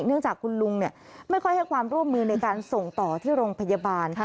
เนื่องจากคุณลุงไม่ค่อยให้ความร่วมมือในการส่งต่อที่โรงพยาบาล